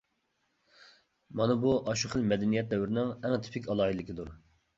مانا بۇ ئاشۇ خىل مەدەنىيەت دەۋرىنىڭ ئەڭ تىپىك ئالاھىدىلىكىدۇر.